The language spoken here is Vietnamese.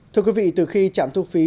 thưa quý vị từ khi chạm thu phí